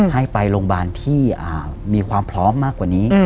ให้ไปโรงพยาบาลที่มีความพร้อมมากกว่านี้